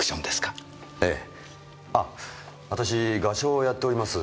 あ私画商をやっております